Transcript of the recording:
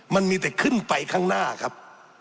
มันมีแต่ขึ้นไปข้างหน้าครับ